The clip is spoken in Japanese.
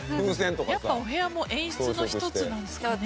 やっぱお部屋も演出のひとつなんですかね？